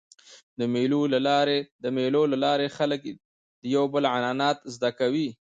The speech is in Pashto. د مېلو له لاري خلک د یو بل عنعنات زده کوي.